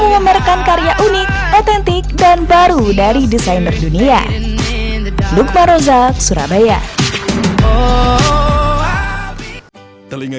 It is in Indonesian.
memamerkan karya unik otentik dan baru dari desainer dunia lukmaroza surabaya telinga